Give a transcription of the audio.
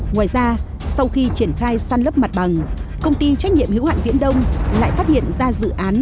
ngoài ra sau khi triển khai săn lấp mặt bằng công ty trách nhiệm hữu hạn viễn đông lại phát hiện ra dự án